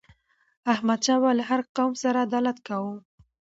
احمد شاه بابا له هر قوم سره عدالت کاوه.